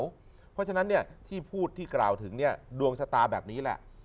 เพราะฉะนั้นที่พูดที่กล่าวถึงเนี่ยดวงชะตาแบบนี้แหละ